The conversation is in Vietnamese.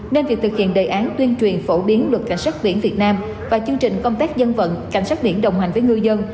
nên việc thực hiện đề án tuyên truyền phổ biến luật cảnh sát biển việt nam và chương trình công tác dân vận cảnh sát biển đồng hành với ngư dân